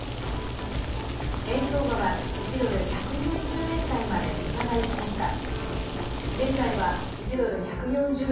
円相場は１ドル＝１４０円台まで値下がりしました。